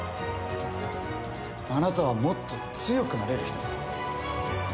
あなたはもっと強くなれる人だ。